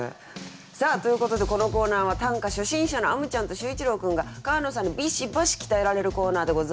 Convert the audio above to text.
さあということでこのコーナーは短歌初心者のあむちゃんと秀一郎君が川野さんにビシバシ鍛えられるコーナーでございます。